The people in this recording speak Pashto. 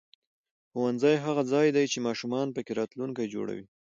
ښوونځی هغه ځای دی چې ماشومان پکې راتلونکی جوړوي